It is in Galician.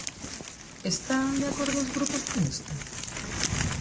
¿Están de acordo os grupos con isto?